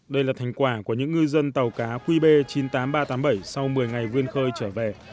đây là thành quả của những ngư dân tàu cá qb chín mươi tám nghìn ba trăm tám mươi bảy sau một mươi ngày vươn khơi trở về